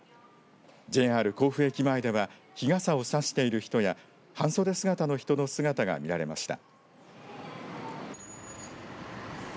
ＪＲ甲府駅前では日傘を差している人や半袖姿の人の姿が見られました。